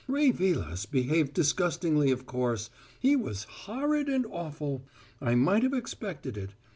Ray Vilas behaved disgustingly, of course; he was horrid and awful. I might have expected it.